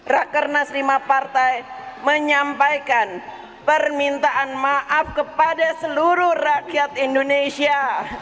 rakernas lima partai menyampaikan permintaan maaf kepada seluruh rakyat indonesia